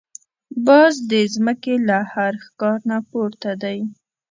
باز د زمکې له هر ښکار نه پورته دی